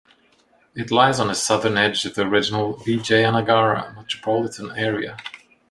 It lies on the southern edge of the original Vijayanagara metropolitan area.